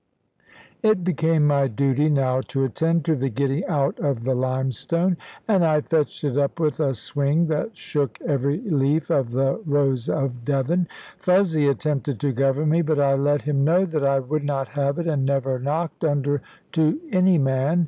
It became my duty now to attend to the getting out of the limestone; and I fetched it up with a swing that shook every leaf of the Rose of Devon. Fuzzy attempted to govern me; but I let him know that I would not have it, and never knocked under to any man.